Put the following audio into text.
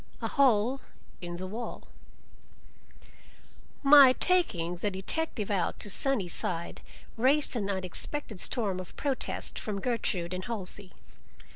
A HOLE IN THE WALL My taking the detective out to Sunnyside raised an unexpected storm of protest from Gertrude and Halsey.